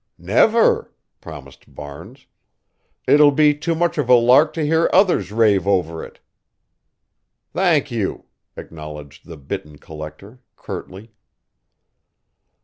"Never!" promised Barnes. "It'll be too much of a lark to hear others rave over it." "Thank you," acknowledged the bitten collector, curtly.